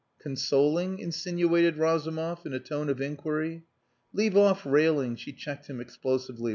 "Consoling?" insinuated Razumov, in a tone of inquiry. "Leave off railing," she checked him explosively.